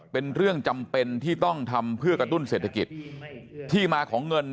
เป็นเรื่องจำเป็นที่ต้องทำเพื่อกระตุ้นเศรษฐกิจที่มาของเงิน